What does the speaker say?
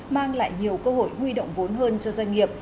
mang lại nhiều cơ hội huy động vốn hơn cho doanh nghiệp